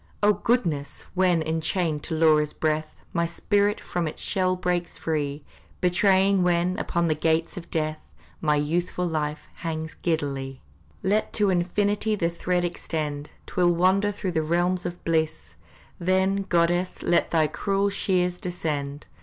Oh, goddess! when, enchained to Laura's breath, My spirit from its shell breaks free, Betraying when, upon the gates of death, My youthful life hangs giddily, Let to infinity the thread extend, 'Twill wander through the realms of bliss, Then, goddess, let thy cruel shears descend!